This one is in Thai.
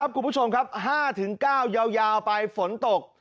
ครับคุณผู้ชมครับห้าถึงเก้ายาวไปฝนตก